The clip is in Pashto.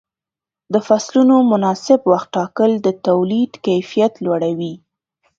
د فصلونو مناسب وخت ټاکل د تولید کیفیت لوړوي.